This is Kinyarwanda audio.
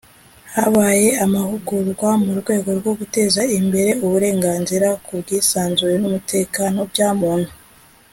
Habaye amahugurwa mu rwego rwo guteza imbere Uburenganzira ku bwisanzure n’ umutekano bya Muntu.